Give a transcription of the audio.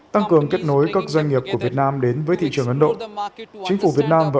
tăng cường kết nối các doanh nghiệp của việt nam đến với thị trường ấn độ chính phủ việt nam và